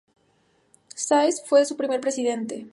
Sáez fue su primer presidente.